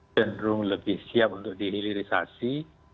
cenderung lebih siap untuk dihilirisasi